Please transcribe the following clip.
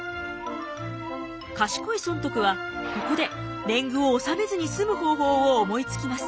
賢い尊徳はここで年貢を納めずに済む方法を思いつきます。